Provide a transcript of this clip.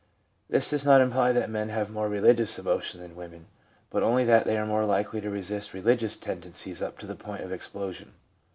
This does not imply that men have more religious emotion than women, but only that they are more likely to resist religious tendencies up to the point of explosion.